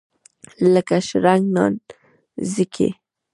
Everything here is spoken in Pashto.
لکه شرنګ نانځکې.